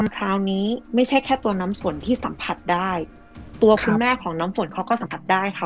คราวนี้ไม่ใช่แค่ตัวน้ำฝนที่สัมผัสได้ตัวคุณแม่ของน้ำฝนเขาก็สัมผัสได้ค่ะ